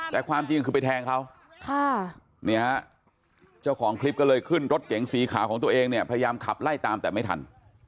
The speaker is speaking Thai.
แต่ความจริงคือไปแทงเขาเจ้าของคลิปก็เลยขึ้นรถเก๋งสีขาวของตัวเองเนี่ยพยายามขับไล่ตามแต่ไม่ทัน